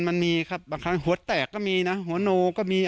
มันมีครับหัวแตกก็มีนะหัวโกงก็มี